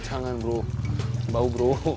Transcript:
jangan bro bau bro